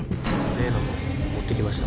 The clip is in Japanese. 例のもの持ってきました？